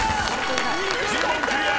［１０問クリア！